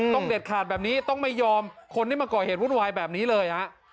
เด็ดขาดแบบนี้ต้องไม่ยอมคนที่มาก่อเหตุวุ่นวายแบบนี้เลยฮะ